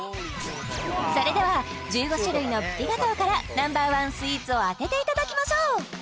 それでは１５種類のプティガトーからＮｏ．１スイーツを当てていただきましょう